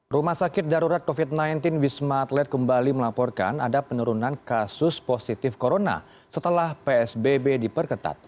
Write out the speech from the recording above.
rumah sakit darurat covid sembilan belas wisma atlet kembali melaporkan ada penurunan kasus positif corona setelah psbb diperketat